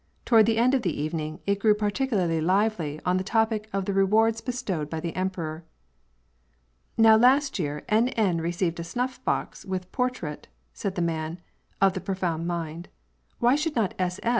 Toward the end of the evening, it grew particularly lively on the topic of the rewards bestowed by the emperor. " Now last year N. N. received a snuff box, with a portrait," said the man " of the profound mind." " Why should not S. S.